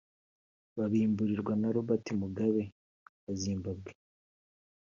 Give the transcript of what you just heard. babimburirwa na Robert Mugabe wa Zimbabwe